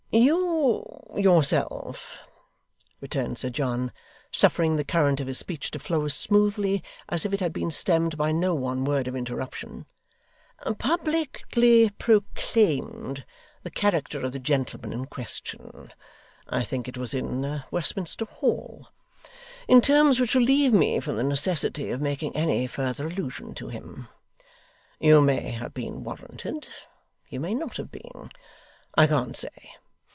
'You yourself,' returned Sir John, suffering the current of his speech to flow as smoothly as if it had been stemmed by no one word of interruption, 'publicly proclaimed the character of the gentleman in question (I think it was in Westminster Hall) in terms which relieve me from the necessity of making any further allusion to him. You may have been warranted; you may not have been; I can't say.